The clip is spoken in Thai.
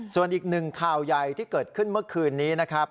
ส่วนอีกหนึ่งข่าวใหญ่ที่เกิดขึ้นเมื่อคืนนี้นะครับ